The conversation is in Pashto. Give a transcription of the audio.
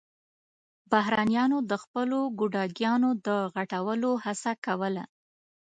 بهرنيانو د خپلو ګوډاګيانو د غټولو هڅه کوله.